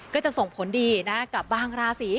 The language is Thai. ก็จะส่งผลดีนะกับบางราศี